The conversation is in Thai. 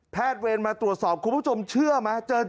เวรมาตรวจสอบคุณผู้ชมเชื่อไหม